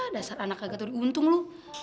dasar anak agak teruntung loh